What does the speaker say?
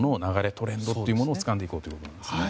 ・トレンドというものをつかんでいこうというものですね。